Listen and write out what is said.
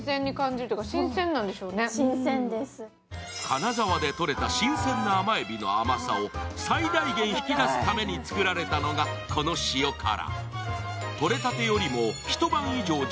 金沢でとれた新鮮な甘えびの甘さを最大限引き出すために作られたのが、この塩辛。